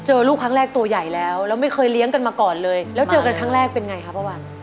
ลูกครั้งแรกตัวใหญ่แล้วแล้วไม่เคยเลี้ยงกันมาก่อนเลยแล้วเจอกันครั้งแรกเป็นไงครับป้าวัน